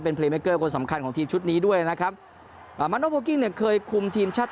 เป็นคนสำคัญของทีมชุดนี้ด้วยนะครับเนี่ยเคยคุมทีมชาติ